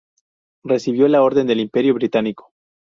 Recibió la Orden del Imperio Británico.